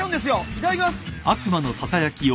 いただきます。